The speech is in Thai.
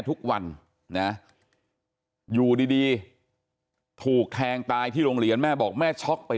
ทุกวันนะอยู่ดีถูกแทงตายที่โรงเรียนแม่บอกแม่ช็อกไป